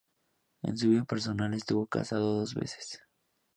En su vida personal estuvo casado dos veces.